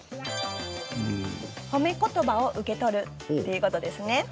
褒め言葉を受け取るということです。